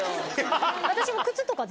私も。